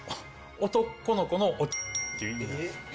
男の子の「お」っていう意味なんです。